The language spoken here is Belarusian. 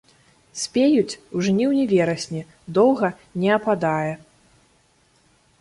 Спеюць у жніўні-верасні, доўга не ападае.